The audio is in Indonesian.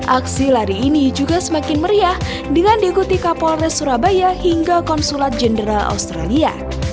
aksi lari ini juga semakin meriah dengan diikuti kapolres surabaya hingga konsulat jenderal australia